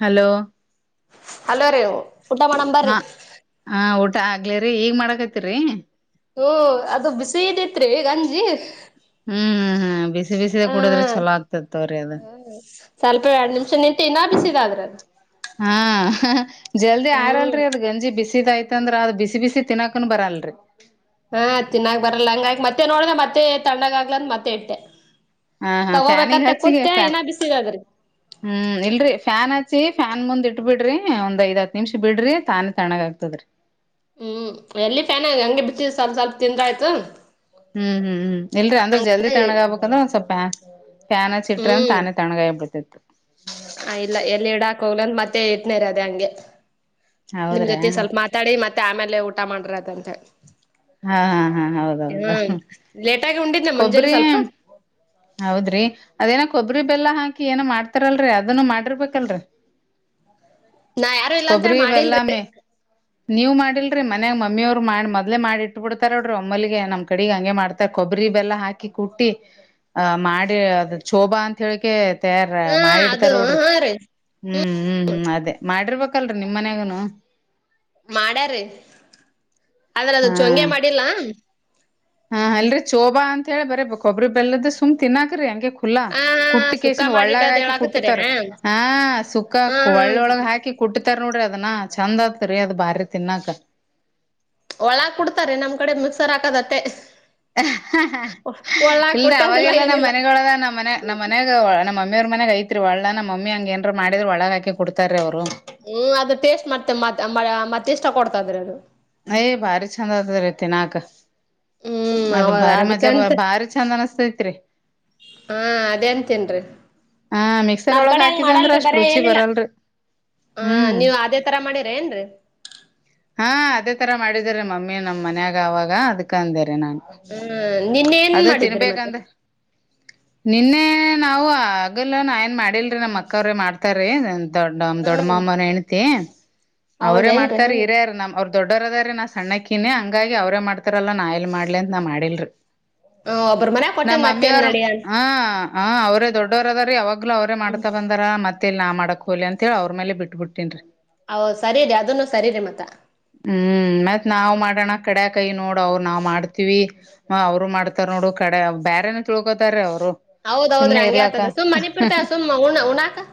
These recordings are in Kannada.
ಹಲೋ ಅಲೋ ರೀ ಊಟ ಮಾಡಬ ಬರ್ರಿ ಹಾ ಹಾ ಊಟ ಆಗ್ಲೇರಿ ಈಗ್ ಮಾಡಕೈತಿರಿ ಓ ಅದು ಬಿಸಿತ್ರಿ ಗಂಜಿ ಹ್ಮ್ ಹ್ಮ್ ಹ್ಮ್ ಹ್ಮ ಬಿಸಿ ಬಿಸಿದ ಹಾ ಕುಡಿದ್ರೆ ಚಲೋ ಆಗ್ತತ್ ತಗೋರಿ ಅದ ಸ್ವಲ್ಪ ಎರಡ್ ನಿಮಿಷ ನಿಂತು ಇನ್ನ ಬಿಸಿದಾದ್ರ ಅದು ಹಾ ಜಲ್ದಿ ಹ್ಮ್ ಆರಲ್ರಿ ಅದ್ ಗಂಜಿ ಬಿಸಿದಾಯ್ತ ಅಂದ್ರ ಅದ್ ಬಿಸಿ ಬಿಸಿ ತಿನ್ನಾಕನ್ ಬರಲ್ರರಿ ಹಾ ತಿನ್ನಾಕ್ ಬರಲ್ಲ ಹಂಗಾಗಿ ಮತ್ತೆ ನೋಡ್ರೆ ಮತ್ತೆ ತಣ್ಣಗ ಆಗ್ಲ ಅಂದ ಮತ್ತೆ ಇಟ್ಟೆ ಹಾ ಹಾ ಫ್ಯಾನಿಗೆ ತಗೋಬೇಕಂತ ಹಚ್ಚಿಗೆ ಕೂತ್ತೆ ಫ ಇನ್ನ ಬಿಸಿದದ್ರಿ ಹ್ಮ್ ಇಲ್ರಿ ಫ್ಯಾನ್ ಫ್ಯಾನ್ ಮುಂದ್ ಇಟ್ಟಟ್ ಬಿಡ್ರಿ ಒಂದ್ ಐದ್ತ್ ನಿಮಿಷ ಬಿಡ್ರಿ ತಾನೇ ತಣಗ ಆಗ್ತದ್ರಿ ಹ್ಮ್ ಎಲ್ಲಿ ಫ್ಯಾನ್ನ್ ಹಂಗೆ ಬಿಟ್ಟಿದ ಸ್ವಲ್ಪ ಸ್ವಲ್ಪ ತಿಂದ್ರ ಆಯ್ತು ಹ್ಮ್ ಹ್ಮ್ ಹ್ಮ್ ಇಲ್ರಿ ಅಂದ್ರ ಜಲ್ದಿ ಹಂಗೆ ತಣ್ಣಗ ಆಗ್ಬೇಕಂದ್ರೆ ಸ್ವಲ್ಪ ಫ್ಯಾನ್ ಹಿಟ್ರಂದ ತಾನೇ ತಣಗಾಯಬಿಡ್ತಿತ್ತು ಹ ಇಲ್ಲ ಎಲ್ಲಿ ಇಡಾಕ್ ಹೋಗ್ಲಂದ ಮತ್ತೆ ಇಟ್ನೇರ್ ಅದೇ ಹಂಗೆ ನಿಮ್ ಹೌದ್ರಾ ಜೊತೆ ಸ್ವಲ್ಪ ಮಾತಾಡಿ ಮತ್ತೆ ಆಮೇಲೆ ಊಟ ಮಾಡಿದ್ರಾಯ್ತು ಅಂತ ಹೇಳಿ ಹಾ ಹಾ ಹಾ ಹೌದೌದು ಹ್ಮ್ ಲೇಟಾಗಿ ಉಂಡಿದ್ನ ಮುಂಜೆಲಿ ಕೊಬರಿ ಸ್ವಲ್ಪ ಹೌದ್ರಿ ಅದೇನ ಕೊಬರಿ ಪ್ಪ ಎಲ್ಲಾ ಹಾಕಿ ಏನ ಮಾಡ್ತಾರಲ್ರರಿ ಅದನ್ನು ಮಾಡಿರ್ಬೇಕಲ್ರರಿ ನಾ ಯಾರು ಇಲ್ಲ ಅಂತೇಳಿ ಕೊಬ್ಬರಿ ಬೆಲ್ಲ ಮಾಡಿಲ್ರಿ ಮೆ ನೀವ್ ಮಾಡಿಲ್ರಿ ಮನ್ಯಾಗ ಮಮ್ಮಿಯ ಅವ್ರು ಮಾಡ ಮೊದ್ಲೆ ಮಾಡಿ ಇ ಬಿಟ್ಟಬ ಬಿಡ್ತಾರ ನೋಡ್ರಿ ಒಮ್ಮಲಿಗೆ ನಮ್ ಕಡೆಗ್ ಹಂಗೆ ಮಾಡ್ತಾರ ಕೊಬ್ಬರಿ ಬೆಲ್ಲ ಹಾಕಿ ಕುಟ್ಟಿ ಆಹ್ ಮಾಡಿ ಅ ಶೋಭಾ ಅಂತ ಹೇಳಿಕೆ ರ ಹಾ ಅದು ಮಾಡಿಡ್ತಾರ ನೋಡ್ರಿ ಹಾ ರೀ ಹ್ಮ್ ಹ್ಮ್ ಹ್ಮ್ ಅದೇ ಮಾಡಿರ್ಬೇಕ ಹಾಕಲ್ರರಿ ನಿಮ್ಮ್ ಮನ್ಯಾಗನು ಮಾಡ್ಯಾರಿೀ ಆದ್ರೆ ಅದು ಚೊಂಗ್ಯ ಹಾ ಮಾಡಿಲ್ಲಾ ಹಾ ಅಲ್ರರಿ ಚೋಬಾ ಅಂತ ಹೇಳಿ ಬರ ಕೊಬ್ಬರಿ ಬೆಲ್ಲದ ಸುಮ್ ತಿನ್ನಾಕ್ರಿ ಹಂಗಗೆ ಪೂಲ್ಲಾ ಹಾ ಹಾ ಕುಟ್ಟ ಸುಕ್ಕಾ ಕಸನ್ ಒಳ್ಳಗ ಮಾಡಿಡೋದ್ ಹಾಕಿ ಹೇಳಾಕತ್ತೀರಿ ಕುಟ್ಟತಾರ ಹಾ ಹ ಸುಕ್ಕ ಹಾ ಒಳ್ಳೊಳಗ ಹಾಕಿ ಕುಟ್ಟತಾರ ನೋಡ್ರಿ ಅದನ ಚಂದ್ ಆತ್ರಿ ಅದು ಬಾರಿ ತಿನ್ನಾಕ ಒಳಾಗ ಕುಡ್ತಾರೆ ನಮ್ ಕಡೆ ಮಿಕ್ಸರ್ ಹಾಕದತ್ತೆ ಇಲ್ದ ಕುಟ್ಟೋದಿಲ್ಲ ಅವಾಗೆಲ್ಲ ನಮ್ಮ್ ಏನಿಲ್ಲ ಮನೆಗ ಒಳದ ನಮ್ಮ್ ಮನೆ ನಮ್ಮ್ ಮನಾಗ ನಮ್ಮಮ್ಮಿ ಮಮ್ಮಿ ಅವ್ರ ಮನಾಗ ಐತ್ರಿ ಒಳ್ಳ ನಮ್ಮಿ ಏನರ ಮಾಡಿದರು ಒಳಗೆ ಕುಡ್ತಾರಾ ರೀ ಅವರು ಹ್ಮ್ ಅದ ಟೇಸ್ಟ್ ಮಾಡ್ತೇ ಮತ್ ಮತ್ತ ಇಷ್ಟ ಪಡುತ್ತಾರೆ ಅದು ಏ ಭಾರಿ ಚಂದ ಐತಿ ರಿ ತಿನ್ನಕ್ಕ ಹ್ಮ್ ಅದ ಹೌದ ಭಾರಿ ಮಜಾ ಅದಕ್ಕಂತ ಭಾರಿ ಚಂದ್ ಅನಸ್ತೈತ್ರಿ ಹಾ ಅದೇಂತನ್ರಿ ಹಾ ಮಿಕ್ಸರ್ ಒಳಗ್ ಹಾಕಿದೇ ಅಂದ್ರ ಅಷ್ಟ್ ರುಚಿ ಬರಲ್ರರಿ ಹ ನೀವ ಅದೇ ತರ ಮಾಡಿರ ಏನ್ರರಿ ಹಾ ಅದೇ ತರ ಮಾಡಿದ್ರ ಮಮ್ಮಿ ನಮ್ ಮನ್ಯಾಗ ಅವಾಗ ಅದ್ಕಂದೆ ನಾ ಹ್ಮ್ ನಿನ್ನೇನ್ ಅದು ಮಾಡಿದ್ರಿ ಮತ್ತ ತಿನ್ಬೇಕಂದೆ ನಿನ್ನೆ ನಾವವು ಆಗಲ್ಲ ನಾ ಏನ್ ಮಾಡಿಲ್ರಿ ನಮ್ಮ್ ಅಕ್ಕ ಅವ್ರೆ ಮಾಡ್ತಾರೆ ದೊಡ್ಡ ದೊಡ್ಡ ಹ್ಮ್ ಮಾಮ್ಮನ ಹೆಣತಿ ಅವ್ರೇ ಹೌದೇನ್ರಿ ಮಾಡ್ತಾರ ಹ್ಮ್ ಹಿರಿಯರು ನಮ ಅವ್ರ ದೊಡ್ಡೋರದ್ರ ನಾ ಸಣ್ಣಕ್ಕಿನಿ ಹಂಗಾಗಿ ಅವ್ರೇ ಮಾಡ್ತಾರಲ್ಲ ನಾ ಇಲ್ ಮಾಡ್ಲಿ ಅಂತ ನ ಮಾಡಿಲ್ರರಿ ಹ್ಮ್ ಒಬ್ರ ಮನ್ಯಾಗ ಕೊಟ್ಟೇನ್ ನಮ್ಮ ಮತ್ತೇನ್ ಅಮ್ಮಿಯಾರ ನಡಿ ಅನ್ ಹಾ ಹಾ ಅವರೇ ದೊಡ್ಡ ದ ಯಾವಾಗ್ಲೂ ಅವ್ರೇ ಮಾಡ್ತಾ ಬಂದಾರ ಮತ್ತೇಲ್ ನಾ ಮಾಡಕ್ ಹೋಲಿ ಅಂತ ಹೇಳಿ ಅವ್ರ ಮೇಲೆ ಬಿಟ್ಬ ಬಿಟ್ಟೇನ್ ರಿ ಹ ಸರಿರಿ ಅದನ್ನು ಸರಿರಿ ಮತ್ತ ಹ್ಮ್ ಮತ್ ನಾವ್ ಮಾಡೋಣ ಕಡ ಕೈ ನೋಡು ಅವ್ರು ನಾವ್ ಮಾಡ್ತೀವಿ ಅವ್ರು ಮಾಡ್ತಾರ ನೋಡು ಕಡೆ ಬೇರೆೇನ ತಿಳ್ಕೋತಾರೆ ಅವ್ರು ಹೌದೌದ್ರಿ ಸುಮ್ನೆ ಹಂಗೆ ಇರ್ಲಾಕ್ಕ ಆತದೆ ಸುಮ್ಮ್ನೆ ಬಿಡ್ತಯ ಸುಮ್ಮ್ ಹಣ ಉಣ್ಣಕ್ಕ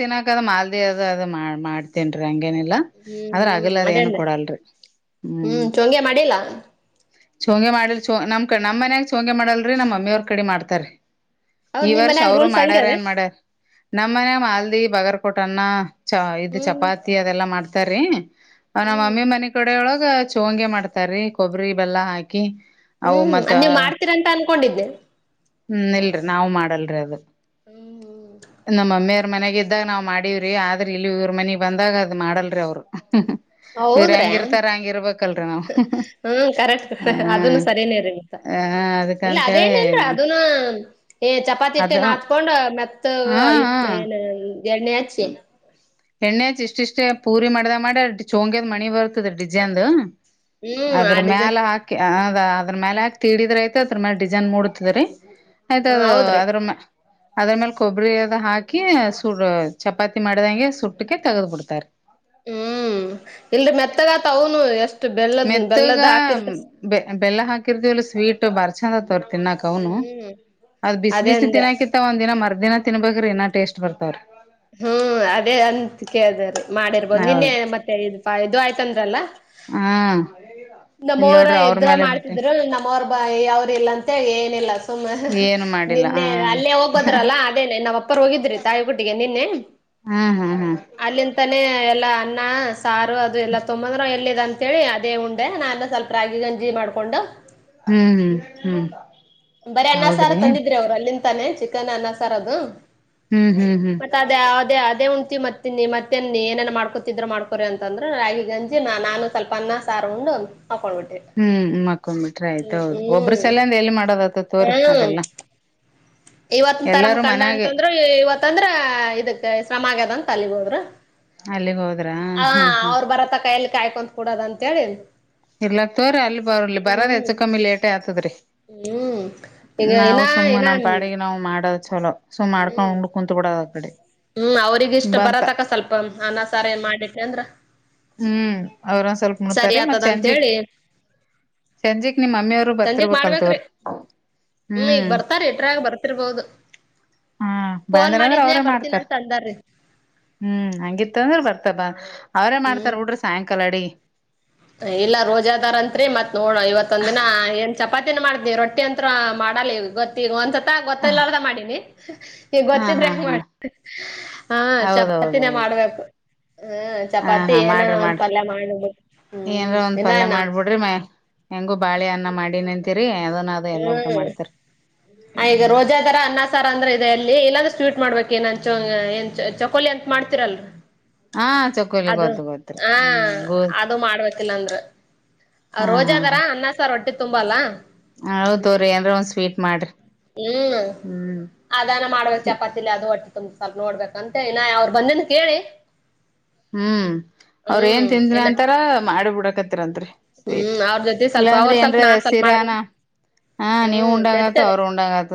ತಿನ್ನಕ್ ಅದು ಮಾಲ್ದಿ ಅದು ಅದು ಮಾಡ್ತೀನ್ ರಿ ಹಂಗೇನಿಲ್ಲಾ ಹ್ಮ್ ಆದ್ರ ಹ್ಮ್ ಆಗಲದ ಅದೇ ಏನು ಅಂದೆ ಕೊಡಲ್ರಿ ಹ್ಮ್ ಚೂಂಗ್ಯ ಮಾಡಿಲ್ಲಾ ಚೂಂಗ್ಯ ಮಾಡಿಲ್ ನಮ್ ಕ ನಮ್ಮ ನ್ಯಾಗ ಚೂಂಗ್ಯ ಮಾಡಲ್ರಿ ನಮ್ಮ್ ಅಮ್ಮಿಯವ್ರ ಕಡಿ ಮಾಡ್ತಾರ ಹೌದ್ ಈ ನಿಮ್ ವರ್ಷ ಮನ್ಯಾಗ ಅವರು ಹಂಗೆ ಮಾಡ್ಯಾರ ಅದ ಏನ್ ಮಾಡ್ಯಾರ ನಮ ಮನ ಮಾಲ್ದಿ ಬಗರ್ ಕೊಟನ್ನ ಚ ಇದು ಹ್ಮ್ ಚಪಾತಿ ಅದೆಲ್ಲಾ ಮಾಡ್ತಾರೀ ಅವ ನಮ್ಮ ಹ್ಮ್ ಮಮ್ಮಿ ಮನ ಕಡೆ ಒಳಗ್. ಈಗ ಚವಂಗೆ ಮಾಡ್ತಾರೀ ಕೊಬ್ಬರಿ ಬೆಲ್ಲ ಹಾಕಿ.. ಅವು ಹ್ಮ್ ಮತ್ತ ಅದ್ ನೀವ್ ಮಾಡ್ತೀರ ಅಂತ ಅನ್ಕೊಂಡಿದ್ದೆ. ಹ್ಮ್ ಇಲ್ರಿ ನಾ ಮಾಡಲ್ರಿ ಅದು. ಹ್ಮ್ ನಮ್ಮಮ್ಮೇ.. ್ರ ಮನೆಗೆ ಇದ್ದಾಗ ನಾವ್ ಮಾಡೀವ್ರಿ ಆದ್ರ ಇಲ್ ಇವ್ರ ಮನಗ್ ಬಂದಾಗ ಅದ್ ಮಾಡಲ್ರಿ ಅವ್ರು.. ಇವ್ರ ಹೌದ್ರೆ ಹೆಂಗಿರ್ತಾರ ಹಂಗಿರ್ಬೇಕಲ್ರಿ ನಾವು ಹ್ಮ ಕರೆಕ್ಟ್ ಹ ಅದನ್ನು ಸರಿನೇ ಇಂತ.. ಹ ಇಲ್ಲ ಅದಕ್ಕಂತೇಳಿ ಅದೇನ ಇಲ್ರ ಅದನ ಏ ಅದ ಚಪಾತಿಟ್ಟೆನ್ ಹಾತ್ಕೊಂಡ್ ಮತ್.. ಹಾ ಇ ಹಾ ಏನ ಎರನ ಹೆ. ಎಣ್ಣೆಚ್ಚ ಇಷ್ಟ ಇಷ್ಟ ಪೂರಿ ಮಾಡ್ದ ಮಾಡ ಚಂಗ್ಯದ್ ಮಣಿ ಬರ್ತದ ಡಿಜನ್ದು ಹ್ಮ್ ಆ ಅದ್ರ ಮ್ಯಾಲ ಹಾಕಿ ಅದ್ರ ಮೇಲೆ ಯಾಕ ತಿಡಿದ್ರ ಆಯತ ಅದ್ರ ಮೇಲೆ ಡಿಸೈನ್ ಮೂಡತಿದ್ರಿ ಆಯ್ತ ಹ್ಮ್ ಅದ ಹೌದ್ರಿ. ಅದ್ರ ಮ್ಯಾಲೆ ಅದ್ರ ಮೇಲ್ ಕೊಬ್ಬರಿ ಅದ ಹಾಕಿ ಸೂ ಚಪಾತಿ ಮಾಡ್ದಂಗೆ.. ಸಟ್ಟಕ ತೆಗೆದು ಕೊಡ್ತಾರೆ. ಹ್ಮ್ ಇಲ್ರಿ ಮೆತ್ತಗಾತ ಅವನು ಎಷ್ಟು. ಬೆಲ್ಲದ ಮೆತ್ತಗ ಬೆಲ್ಲದ ಹಾಕಿರ್ತ ಬೆ ಬೆಲ್ಲ ಹಾಕಿರ್ತಿಲ್ಲ ಸ್ವೀಟ್ ಬರ್ ಚಂದ ತೋರ್.. ತಿನ್ನಾಕ್ ಅವನು ಹ್ಮ್ ಅದ ಬಿಸಿ ಅದೇ ಬಿಸಿ ಅಂದೆ ತಿನ್ನಾಕಿತ್ತ ಒಂದ ದಿನ ಮರ್.. ಅದಿನ ತಿನ್ಬಬೇಕ್ರಏ ಟೇಸ್ಟ್ ಬರ್ತಾರರಿ.. ಹಾ. ಹ್ಮ ಅದೇ ಅಂತ ಕೇಳ್ದ ಮಾಡಿರ್ಬೋದು ನಿನ್ನೆ ಹೌದು ಮತ್ತೆ ಇ ಇದು ಆಯ್ತಂದ್ರಲ್ಲ.. ಹ್ಮ ನಮ್ಮವರ ಎದ್ರ ಬಿಟ್ಟಿ ಮಾಡ್ತಿದ್ರು ನಮ್ಮವ್ರ ಬ ಯಾವ್ರ ಇಲ್ಲಂತ ಏನಿಲ್ಲ.. ಹಮ್ಮ ಏನು ಮಾಡಿಲ್ಲ ನಿನ್ನೆ ಅಲ್ಲೇ ಹ ಹೋಗ್ದ್ರಲ್ಲ ಅದೇನೆ ನಾವ್ ಅಪ್ಪರ್ ಹೋಗಿದ್ರಿ ತಾಯಿಗುಟ್ಟಿಗೆ ನಿನ್ನೆ.. ಹಾ ಹಾ ಹಾ ಅಲ್ಲಿಂತಾನೇ ಎಲ್ಲ ಅನ್ನ.. ಸಾರು ಅದು ಎಲ್ಲಾ ತೊಂಬಂದ್ರ ಎಲ್ಲಿದೆ ಅಂತೇಳಿ ಅದೇ ಉಂಡೆ ನಾನ ಸ್ವಲ್ಪ ರಾಗಿ ಗಂಜಿ ಮಾಡ್ಕೊಂಡು.. ಹ್ಮ್ ಹ್ಮ್ ಹ್ಮ್.. ಬರೀ ಅ್ಣ ಸಾರ ಹೌದ್ರಿ ತಂದಿದ್ರಿ ಅವ್ರು ಅಲ್ಲಿಂತಾನೆ ಚಿಕನ್ ಅನ್ನ ಸಾರ್ ಅದು. ಹ್ಮ್ ಹ್ಮ್ ಹ್ಮ್ ಮತ್ತೆ ಅದೇ ಅದೇ ಅದೇ ಉಂಟ.. ಮತ್ತ ನೀ ಮತ್ತೇನ್ ನೀ ಏೇನ್ ಮಾಡ್ಕೊತಿದ್ರು ಮಾಡ್ಕೊರಿ ಅಂತ ಅಂದ್ರೆ ರಾಗಿ ಗಂಜಿ ನಾನು ಸ್ವಲ್ಪ ಅನ್ನ ಸಾರೊಂಡು. ಹ್ಮ್ ಮಕೊಂಡ್ ಬಿಟ್ರೆ ಆಯ್ತ ಹೌದು ಒಬ್ಬ್ರ ಹ್ಮ್ ಸಲ ಅಂದ ಎಲ್ಲಿ ಮಾಡ. ಡದ ತುತ್ತೂರಿ ಅದೆಲ್ಲ.. ಇವತ್ ತರಮ ಕಂಡ ಅಂತಂದ್ರೂ ಇವತ್ತಂದ್ರ ಇದಕ್ ಶ್ರಮ ಆಗ್ಯದಂತ ಅಲಿಬೋದ್ರ.. ಅಲ್ಲಿಗ್ ಹೋದ್ರ ಹ ಹಾ ಹಾ ಅವ್ರ ಬರತ್ತ ಕೈಯಲ್ಲಿ ಕಾಯ್ಕೊಂತ ಕುೂಡದ ಅಂತ ಹೇಳಿ.. ಇಲ್ಲಕ್ ತೋರ ಅಲ್ಲಿ ಬರ್ಲಿ ಬರ ಹೆಚ್ಚು ಕಮ್ಮಿ ಲೇಟೇ ಆತದ್ರೀ.. ಹ್ಮ್ ಈಗ ನಾವು ಇನ್ನ ಸುಮ್ಮ ಇನ್ನ ನಮ್ಮ ಪಾಡಿಗೆ ನಾವು ಮಾಡ.. ಮಾಡ್ ಚಲೋ ಸೊ ಮಾಡ್ಕೊಂಡ ಹ್ಮ್ ಉು ಕುತ್ ಬಿಡದ.. ಹ್ಮ್ ಅವ್ರಗ ಇಷ್ಟ ಬರತ್ತಕ್ಕ ಸ್ವಲ್ಪ ಅನ್ನ ಸಾರ ಏನ್ ಮಾಡಿಟ್ಟ ಅಂದ್ರ.. ಅವ್ರ್ ಸ್ವಲ್ಪ ಮುಡ್ತಾರೆ ಮತ್ತೆ. ಹೇಳಿ ಸಂಜಿಕ್ ನಿಮ್ ಮಮ್ಮಿಯವರು ಬರ್ತಿರ್ಬೇಕಕ್ಲ್ತವ್ರ.. ಮಾಡ್ಬೇಕ್ರಿ ಹ್ಮ್ ಈಗ ಬರ್ತಾರ ಎಟ್ರಾಗ ಬರ್ತಿರ್ಬೋದು.. ಹ್ಮ ಬಯಂದ್ರ ಅಂದ್ರೆ ಅವ್ರೇ ಮಾಡ್ತ.. ಅಂದಾರ್ರಿ ಹ್ಮ್ ಹಂಗಿತ್ತ ಅಂದ್ರೆ ಬರ್ತ ಬ ಅವ್ರೇ ಹ್ಮ್ ಮಾಡ್ತಾರ ಡ್ರಿ ಸಾಯಂಕಾಲ ಅಡಿಗೆ.. ಇಲ್ಲ ರೋಜಾದಾರಂತ್ರಿ ಮತ್ ನೋಡ ಇವತ್ದ ದಿನ ಏನ್ ಚಪಾತಿನ ಮಾಡ್ದನ ರೊಟ್ಟಿ ಅಂತ್ರ ಮಾಡ ಮಾಡಲ್ಲೇ ಗತ್ತಿಂತ. ಗೊತ್ತಲ್ಲಾರದ ಮಾಡಿನಿ ಈ ಹಾ ಗೊತ್ತಿದ್ರೆ ಹಾ ಹೆಂಗ ಹಾ ಮಾಡ ಹ ಹೌದೌದೌದು ಚಪಾತಿನೇ ಮಾಡ.. ಮಾಡ್ಬೇಕು ಹ್ಮ ಹಾ ಚಪಾತಿ ಹಾ ಏನ ಮಾಡ್ರಿ ಅಂದ ಮಾಡ್ರಿ ಪಲ್ಯ ಮಾಡ.. ಏನ್ರ ಒಂದ್ ಪಲ್ಯ ಮಾಡ್ಬಿಡ್ರಿ ಮ ಹೆಂಗು ಬಾಳೆ ಅನ್ನ ಮಾಡಿ ನಿಂತಿರಿ ಅ.. ಎಲ್ಲಾ ಊಟ ಮಾಡ್ತಾರೆ.. ಆಗ ರೋಜಾ ತರ ಅನ್ನ ಸರ ಅಂದ್ರೆ.. ಅಲ್ಲಿ ಎಲ್ಲಾಂದ್ರೂ ಸ್ವೀಟ್ ಮಾಡ್ಬೇಕ ನನ್ ಚ ಏ ಚಕೋಲಿ ಅಂತ ಮಾಡ್ತಿೀರಲ್.. ಹಾ ಚಕೋಲಿ ಅದು ಗೊತ್ತು ಗೊತ್ರಿ ಹಾ ಹ್ಮ್ ಗೋಧ್ ಅದು ಮಾಡ್ಬೇಕಿಲ್ಲ ಅಂದ್ರ ಹಾ ರೋಜದಾರ ಅನ್ನಸಾರ್ ಹೊಟ್ಟಿ ತುಂಬ ಅಲ್ಲ ಹೌದತೂರೀ ಏನ್ ಅರ ಒಂದ್ ಸ್ವೀಟ್ ಮಾಡ್ರಿ ಹ್ಮ್ ಹ್ಮ್ ಅದಾನ ಮಾಡ್ಬೇಕ್ ಚಪಾತಿಲಿ ಅದು ಹೊಟ್ಟಿ ಸ್ವಲ್ಪ ನೋಡ್ಬೇಕಂತ ಇನ ಅವ್ರು ಬಂದಿದ ಕೇಳಿ ಹ್ಮ್ ಅವ್ರ ಏನ್ ಹ್ಮ್ ತಿಂದನಿ ಇನ್ನ ಅಂತಾರ ಮಾಡಿ ಬಿಡಕತ್ತರತ್ರಿಂತ ರೀ ಸ್ವೀಟ್ ಹ್ಮ್ ಅವ್ರ ಜೊತೆ ಸ್ವಲ್ಪ ಅವ್ರ ಇಲ್ಲಾಂದ್ರೆ ಸ್ವಲ್ಪ ಏನ್ರ ನಾ ಸ್ವಲ್ಪ ಮಾಡ್ದ ಸಿರಾನ ಹಾ ನೀವು ಹ್ಮ್ ಉಂಡಂಗಾತ ನಡ್ತದ ಅವ್ರು ಉಂಡಂಗತ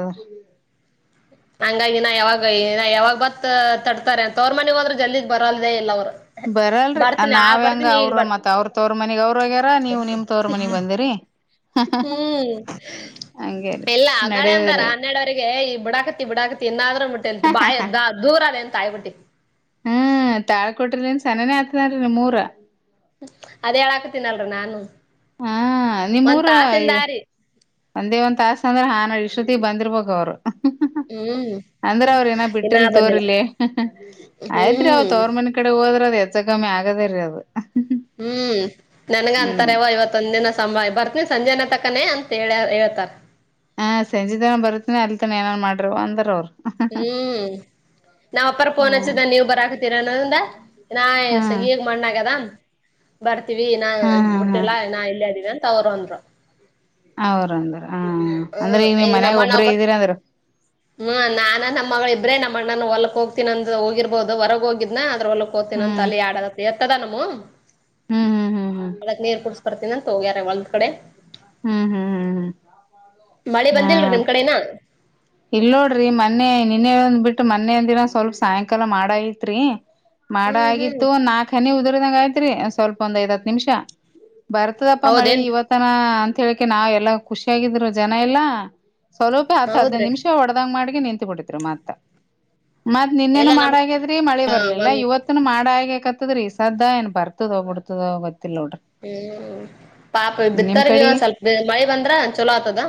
ಹಂಗಾಗಿ ನಾ ಯಾವಾಗ ಯಾವಾಗ್ ಬತ್ ತಡ್ತಾರೆ ಅಂತ ಅವ್ರ ಮನೆ ಹೋದರು ಜಲ್ದಿ ಬರಲ್ಲದೇ ಇಲ್ಲ ಅವ್ರು.. ಬರಲ್ರಿ ಬರ್ತೀನಿ ನಾವ ಆಗ್ ಹೆಂಗ ಬರ್ತೀನಿ ಈಗ ಅವ್ರ ಬರ್ತೀನಿ ಮತ್ ಅವ್ರ ತವರಮನಿಗ ಅವ್ರೋಗ್ಯಾರ ನೀವು ನಿಮ್ ತವರ ಮನಿಗ್ ಬಂದಿರಿ ಹ್ಮ್ ಹಂಗೇರಿ ಎಲ್ಲ ಅಗಳೆ ಅಂದಾರ ನಡೆಯದ್ರಿ ಹನ್ನೆರಡವರೆಗೆ ಈ ಬಿಡಾಕತಿ ಬಿಡಕತಿ ಇನ್ನಾದರೊ ಬೀಟ್ಟಿಲ ಬಾಯ್ದ ದೂರ ಅದ ಎ ಕಾಯವಟ್ಟಿ ಹ್ಮ್ ತಾಳಿಕೊಟಿಲಿಂದ ಸನನೇ ಹಾತದೆನಾರಿ ನಿಮೂರ ಅದೇ ಹೇಳಾಕತೀನಲ್ರ ನಾನು ಹಾ ನಿಮ್ಮ್ ಒಂದ್ ಊರ ತಾಸಿಂದ ರೀ ಒಂದೇ ಒಂದ್ ತಾಸ್ ಅಂದ್ರಾ ನ ಇಷ್ಟೊತ್ತಿಗೆ ಬಂದಿರ್ಬೇಕು ಅವ್ರು [inaudible] ಅಂದ್ರ ಹ್ಮ್ ಅವ್ರ ಇನ ಇನ್ನ ಬಿಟ್ಟ್ರಿಲ್ ಬಂದಿಲ್ಲ ತೋರಿಲಿ ಆಯ್ತ್ರಿ ಅವರ ಹ್ಮ್ ತವರ್ ಮನಿ ಕಡೆ ಹೋದ್ರದ ಹೆಚ್ಚ ಕಮ್ಮಿ ಆಗದರಿ ಅದು ಹ್ಮ್ ನನ್ಗ ಹ್ಮ್ ಅಂತಾರೆವ ಇವತ್ತೊಂದ್ ದಿನ ಸಂ ಬರ್ತನಿ ಸಂಜೆನ ತಕ್ಕನೇ ಅಂತ ಹೇಳ ಹೇಳ್ತಾರ ಹಾ ಸಂಜೆ ತನ ಬರುತ್ತಿನಿ ಅಲ್ತನ ಏನಾರನ್ ಮಾಡ್ರವ ಅಂದಾರ ಅವರು ಹ್ಮ್ ನಾವ್ ಅಪ್ಪರ್ ಪೋನ್ ಹ್ಮ ಹಚ್ಚಿದ ನೀವು ಬರ ಹಾಕತೀರನ್ನಂದ ನಾ ಹಾ ಈಗ ಮಣ್ಣಗ್ಯದ ಬರ್ತೀವಿ ನಾ ಹಾ ಹಾ ಹಾ ಮುಟ್ಟಿಲ್ಲ ನಾ ಇಲ್ಲಯ ಆದಿವ ತವ್ರಂದರು ಹೌರಂದರ ಹ್ಮ್ ಈಗ ನಮ್ಮಣ್ಣ ಒಬ್ಬ ಅಂದ್ರ ಹ್ಮ ನಾನ ನಮ್ಮಗಳು ಇಬ್ರೇ ನಮ್ಮ ಣ್ಣು ಒ ಹೊಲ್ಕ್ ಹೋಗ್ತನ ಅ ಹೋಗಿರ್ಬಹ ಹೊರಗ ಹೋಗಿದನ ಅದ್ರ ಒ ಹೊಲ್ ಹ್ತೀನ ಹ್ಮ್ ಅಲ್ಲಿ ಆಡ ಹತದ ನಮ್ಮವು ಹ್ಮ್ ಹ್ಮ್ ಹ್ಮ್ ಅದಕ ನೀರ್ ಕುಡ್ಸ ಬರ್ತನಂತ ಹೋಗ್ಯಾರ ಹೂಲದ್ ಕಡೆ ಹ್ಮ್ ಹ್ಮ್ ಹ್ಮ್ ಮಳಿ ಹ್ಮ್ ಹಾ ಬಂದಿಲ್ರಿ ನಿಮ್ ಕಡೆನ ಇಲ್ಲ ನೋಡ್ರಿ ಮೊನ್ನೆ ನಿನ್ನೇ ಒಂದ್ ಬಿಟ್ಟು ಮನೆಯ ಅಂದಿನ ಸ್ವಲ್ಪ ಸಾಯಂಕಾಲ ಮಾಡೈತ್ರಿ ಮಾಡ ಹ್ಮ್ ಹ್ಮ್ ಆಗಿತ್ತು ನಾಲ್ಕ ಹನಿ ಉದ್ರದಂಗ ಆಯ್ತ್ರಿ ಸ್ವಲ್ಪ ಒಂದ್ ಐದ ಹತ್ತು ನಿಮಿಷ ಬರ್ತದಪ್ಪ ಮಳಿ ಹೌದೇನ್ ಇವತ್ತನ ಅಂತ ಹೇಳಕ್ಕೆ ನಾವ್ ಎಲ್ಲ ಖುಷಿಯಾಗಿದ್ರು ಜನ ಎಲ್ಲಾ ಸ್ವಲ್ಪ ಹತ್ತ ಹದಿನೈದು ಹೌದ್ರಿ ನಿಮಿಷ ಹೊಡೆದಂಗ್ ಮಾಡ್ಗೆ ನಿಂತು ಬಿಟ್ಟಿದ್ರು ಮತ್ತ ಮತ್ತ್ ಇಲ್ಲ ನಿನ್ನೇನು ನಮ್ ಮಾಡಗ್ಯದ್ರಿ ಮಳಿ ಬರ್ಲಿಲ್ಲ ಒಂದ್ ಇವತ್ನು ಮಾಡಗ್ಯ ಕತ್ತದ್ರೀ ಸದಾ ಏನ್ ಬರ್ತದ ಬಿಡ್ತದತ್ತ ಹ್ಮ್ ಪಾಪ ನಿಮ್ ಬಿತ್ತರ್ಗಿ ಕಡಿ ಒಂದ ಸ್ವಲ್ಪ ಮಳಿ ಬಂದ್ರ ಚಲೋ ಆತದ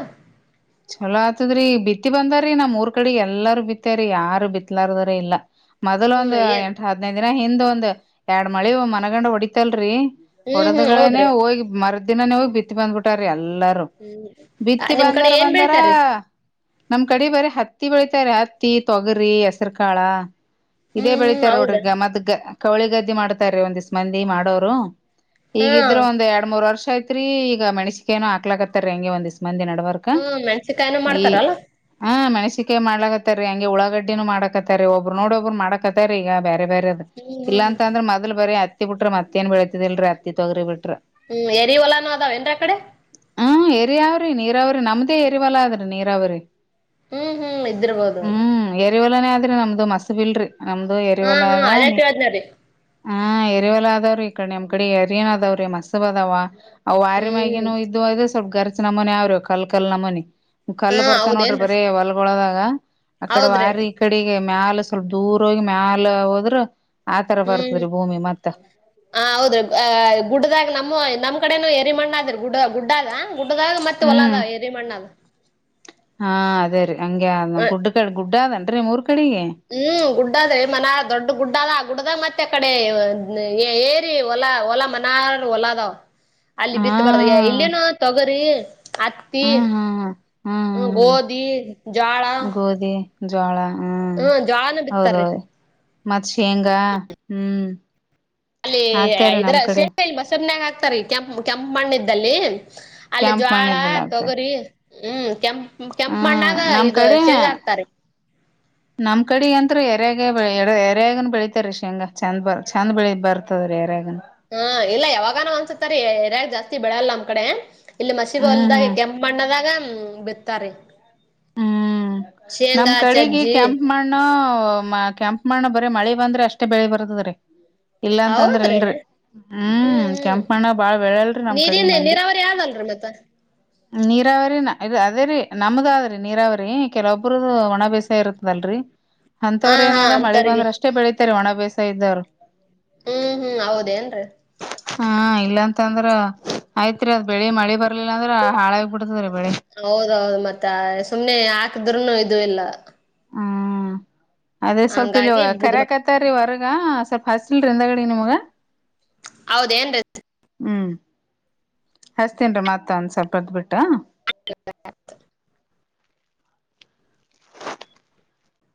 ಚಲೋ ಆತದ್ರೀ ಬಿತ್ತಿ ಬಂದ್ರೀ ನಮೂರ್ ಕಡೆ ಎಲ್ಲಾರೂ ಬಿತ್ತೇರಿ ಯಾರು ಬಿತ್ಲಾರ್ದ್ರ ಇಲ್ಲ ಮೊದ್ಲ ಒಂದ್ ಹ್ಮ್ ಏನ್ ಎಂಟ್ ಹದ್ನೈದ್ ದಿನ ಹಿಂದ್ ಒಂದ್ ಎರಡ್ ಮಳಿ ಮನಗಂಡ ಹೊಡಿತಲ್ರರಿ ಹ್ಮ್ ಹ್ಮ್ ಹೊಡದ್ಗಳನೆ ಹೌದ್ರಿ ಹೋಗಿ ಮರದ್ದಿನನೇ ಹೋಗಿ ಬಿತ್ತ ಬಂದ್ಬಿಟಾರ್ರರಿ ಎಲ್ಲ ಎಲ್ಲಾರು ಹ್ಮ್ ಬಿತ್ತಿ ನಿಮ್ ಕಡೆ ಬಂದಾರ ಏನ್ ಬಂದಾರ ಬೆಳಿತಾರೀ ನಮ್ ಕಡೆ ಬರ ಹತ್ತಿ ಬೆಳಿತಾರೆ ಹತ್ತಿ ತೊಗರಿ ಹೆಸರುಕಾಳ ಇದೇ ಹ್ಮ್ ಹ್ಮ್ ಬೆಳಿತಾರ ನೋಡ್ರಿ ಹೌದ ಗ ಮದಗ ಕೌಳಿ ಗದ್ದೆ ಮಾಡ್ತಾರೀ ಒಂದಿಸ ಮಂದಿ ಮಾಡೋರು ಹಾ ಈಗಿದ್ರೆ ಒಂದ ಎರಡ್ ಮೂರ್ ವರ್ಷ ಆಯತ್ರಿ ಈಗ ಮಣ್ಸಿಕ ಏನು ಹಾಕ್ಲಾಕತ್ತಾರ ಹೆಂಗೆ ಒಂದ್ ಮಂದಿ ನಡಬರ್ಕ ಹ್ಮ್ ಮೆಣ್ಸಿಕಾಯನ ಈ ಮಾಡ್ತಾರಲ್ಲ ಹ ಮ ಣಸಿಕೆ ಮಾಡಲಕತ್ತಾರಿ ಹಂಗೆ ಉಳಾಗಡ್ಡಿನು ಮಾಡಕತ್ತಾರಿ ಒಬ್ಬರು ನೋಡ್ ಒಬ್ಬರು ಮಾಡಕತ್ತ ರೀ ಈಗ ಬೇ ಬೇರ ಬೇರ ಅದು ಹ್ಮ್ ಹ್ಮ್ ಇಲ್ಲ ಹ್ಮ್ ಅಂದ್ರ ಮೊದಲ್ ಬರೆ ಅತ್ತಿ ಬಿಟ್ಟ್ರ ಮತ್ತೇಏನ್ ಬೆಳಳ್ತಿದಿಲ್ರರಿ ಅತ್ತಿ ತೊಗ್ರಿ ಬಿಟ್ಟರ ಹ್ಮ್ ಎರಿ ಒಲಾನೂ ಅದಾವ ಎನ್ರ ಕಡೆ ಹ್ಮ್ ಎರಿಯಾವ್ರಿ ನೀರಾವ್ರಿ ನಮ್ದೇ ಎರಿವಲ್ಲ ಅದ್ರಿ ನೀರಾವ್ರಿ ಹ್ಮ್ ಹ್ಮ್ ಇದಿರ್ಬೋದು ಅದು ಅ್ರ ನಮ್ದು ಮಸ್ ಬಿಲ್ರಿ ನಮ್ದು ಹಾ ಎರಿವಲ್ಲ ಹಾ ಅದ ಅದೇ ನೀ ಕೇಳ್ದ್ನರಿ ಹ ಎರಿವೆಲ್ಲ ಅದಾವ್ರೀ ಈ ಕಡೆ ನಿಮ್ ಕಡೆ ಎರಿನ್ ಅದಾವ್ರೀ ಮಸ್ಸ ಅದಾವ ಅವ್ ವಾರ ಹ್ಮ್ ಮಗನ ಇ ಸ್ವಲ್ಪ ಗರ್ ನಮ್ಮನಿ ಅವ್ರಿ ಕಲ್ ಕಲ್ಲ ನಮ್ಮನಿ ಹಾ ಕಲ್ಲು ಬರ್ತಾ ನೋಡ್ರಿ ಹೌದೇನ್ರಿ ಬರೀ ಹೊಲ್ಗೊದ ಅಕಡೆ ಹೌದ್ರಿ ವಾರಿ ಈ ಕಡೆಗೆ ಮ್ಯಾಲ ಸ್ವಲ್ಪ ದೂರ ಹೋಗಿ ಮ್ಯಾಲ ಹೋದ್ರ ಆತರ ಹ್ಮ್ ಬರ್ತದ್ರಿ ಭೂಮಿ ಮತ್ತ ಹ ಹೌದ್ರ ಆ ಗುಡದಾಗ ನಮ್ಮ ನಮ ಕಡೆ ಎರಿ ಮಣ್ಣ ಅ ಗುಡ್ಡ ಗುಡ್ಡದ ಗುಡ್ಡದಾಗ ಮತ್ತೆ ಹ್ಮ್ ಹೊಲದ ಎರಿ ಮಣ್ಣದ ಹಾ ಅದೇ ರೀ ಹಂಗೆ ಗುಡ್ ಕ ಗುಡ್ಡ ಅದೇನ್ರಿ ಮೂರ್ ಕಡೆಗೆ ಹ್ಮ್ ಗುಡ್ಡ ಅದೇ ಮನ ದೊಡ್ಡ ಗುಡ್ಡ ಅ ಆ ಹಡದ ಮತ್ತೆ ಅ ಕಡೆ ಏರಿ ಹೊಲ ಹೊಲ ಮನಾರ ಹೊಲದಾವ್ ಅಲ್ಲಿ ಹಾ ಬಿತ್ತಬಾರ್ದ ಇಲ್ಲೇನು ತೊಗೋರಿ ಹತ್ತಿ ಹ್ಮ್ ಹ್ಮ್ ಹ್ಮ್ ಹ್ಮ ಹ್ಮ್ ಹ್ಮ್ ಗೋಧಿ ಜ್ವಾಳ ಗೋಧಿ ಜೋಳ ಹ್ಮ್ ಹ್ಮ ಜ್ವಾನ ಬಿತ್ತಾರೀ ಹೌದೌದು ಮತ್ ಶೇಂಗಾ ಹ್ಮ್ ಅಲ್ಲಿ ಹಾಕ್ತಾರೆ ಇದರ ನಮ್ ಕಡೆ ಸೇಮ ಇಲ್ವಾ ಸೆಮನ್ಯಾಗ ಹಾಕ್ತಾರಿ ಕೆಂಪ್ ಕೆಂಪ ಮಣ್ಣ್ದಲ್ಲಿ ಅಲ್ಲಿ ಕ್ಯಾಂಪ್ ಜ್ವಾಳ ಮಾಡಿದ್ಮೇಲೆ ಹಾಕ್ತಾರೆ ತೊಗರಿ ಹ್ಮ್ ಕೆಂಪ್ ಕೆಂಪ ಹ್ಮ್ ಮಣ್ಣಾಗ ನಮ್ ಇದು ಕಡೆ ಶೇಂಗ ಹಾಕ್ತಾರೆ ನಮ್ ಕಡೆ ಅಂತ್ರ ಎರ್ಯಾಗ ಎ ಎರ್ಯಾಗ ಬೆಳಿತಾರ ರರಿಷಿ ಹಂಗ ಚಂದ ಬ ಚಂದ ಬೆಳ ಬರ್ತಾರೆ ಸೌರ ರಗ ಹಾ ಇಲ್ಲ ಯಾವಾಗನ ಒನ್ಸತ್ತರಿ ಯರ್ಯಾಗ ಜಾಸ್ತಿ ಬೆಳಲ್ಲ ನಮ್ ಕಡೆ ಇಲ್ಲಿ ಮಸಿ ಹ್ಮ್ ಬಲ್ದಾಗ ಹ್ಮ್ ಕೆಂಪ ಅಣ್ಣದಾಗ ಬಿತ್ತಾರಿ ಹ್ಮ್ ನಮ್ ಶೇಂಗಾ ಕಡೆಗೆ ಚಜ್ಜಿ ಕ್ಯಾಂಪ್ ಮಾಡನ ಕೆಯಾಂಪ ಮಾಡ ಬರ ಮಳೆ ಬಂದ್ರೆ ಅಷ್ಟೇ ಬೆಳಿ ಬರ್ತದ್ರೀ ಇಲ್ಲಾಂತಂದ್ರ ಹೌದ್ರಿ ಇಲ್ರಿ ಹ್ಮ್ ಕೆಂಪ ಮಣ್ಣ ಬಾಳ್ ಬೆಳಲ್ರಿ ನಮ್ ಕಡೆಗ್ ಮಂದಿ ಅತ್ತ ನೀರಾವರಿ ಇ ಅದೇ ರೀ ನಮಗ ಆದ ನೀರಾವ್ರಿ ಕೆಲವೊಬ್ರದು ಒಣ ಬೇಸ ಇರುತದಲ್ರರಿ ಹಾ ಅಂತವ್ರ ಹಾ ಏನಾದ ಮಳೆ ಅಂತರ್ಗಿ ಬಂದ್ರೆ ಅಷ್ಟೇ ಬೆಳೀಿತಾರೆ ಒಣ ಬೇಸ ಇದ್ದವ್ರು ಹ್ಮ್ ಹ್ಮ್ ಹೌದೇನ್ರಿ ಹಾ ಇಲ್ಲಾಂತ ಅಂದ್ರ ಆಯ್ತ್ರಿ ಅದ್ ಬೆಳಿ ಮಳಿ ಬರ್ಲಿಲ್ಲ ಅಂದ್ರ ಹಾಾಗಬ ಹೌದೌದು ಮತ್ತೆ ಸುಮ್ನೆ ಹಾಕದ್ರೂನ ಹ್ಮ್ ಅದೇ ಸ್ವಲ್ಪ ಇಲ್ ಹಂಗಾಗಿ ಬಿಡ್ ಕರಕತ್ತಾರೀ ಹೊರ್ಗ ಸ ಹೌದೇಏನ್ರೀ ಹ್ಮ್ ಹಸ್ತೇನ್ರಿ ಮತ್ತ ಒಂದ ಸ್ವಲ್ಪ ಬರ್ದ್ ಬಿಟ್ಟ ಹ [inaudible]